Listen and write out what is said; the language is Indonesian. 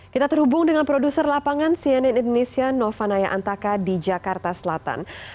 kita terhubung dengan produser lapangan cnn indonesia nova naya antaka di jakarta selatan